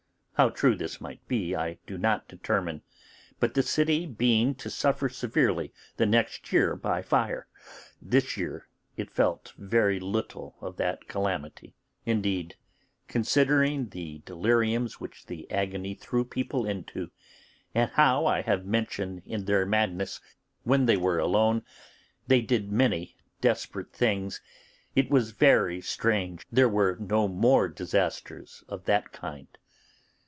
How true this might be I do not determine, but the city being to suffer severely the next year by fire, this year it felt very little of that calamity. Indeed, considering the deliriums which the agony threw people into, and how I have mentioned in their madness, when they were alone, they did many desperate things, it was very strange there were no more disasters of that kind.